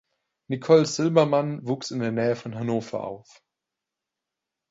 Nicole Silbermann wuchs in der Nähe von Hannover auf.